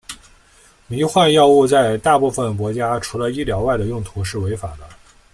迷幻药物在大部分国家除了医疗外的用途是违法的。